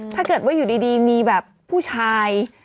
ถ้าเกิดว่าอยู่ดีมีแบบผู้ชาย